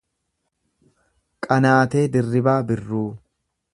Qanaatee Dirribaa Birruu